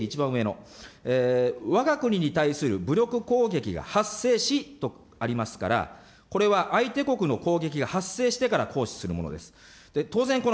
次に、反撃の定義、一番上の、わが国に対する武力攻撃が発生しとありますから、これは相手国の攻撃が発生してから行使するものです。